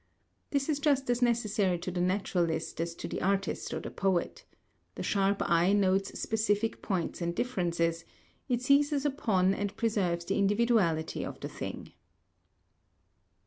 This is just as necessary to the naturalist as to the artist or the poet. The sharp eye notes specific points and differences, it seizes upon and preserves the individuality of the thing.